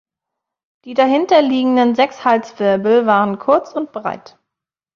Die dahinterliegenden sechs Halswirbel waren kurz und breit.